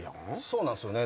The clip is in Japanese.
そうなんですよね。